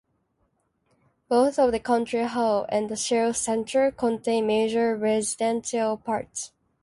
Both the County Hall and the Shell Centre contain major residential parts.